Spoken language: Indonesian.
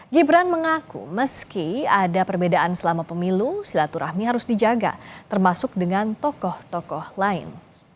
gibran mengaku meski ada perbedaan selama pemilu silaturahmi harus dijaga termasuk dengan tokoh tokoh lain